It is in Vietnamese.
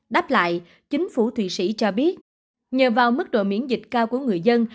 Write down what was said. đáp lại chính phủ thụy sĩ cho biết nhờ vào mức độ miễn dịch cao của người dân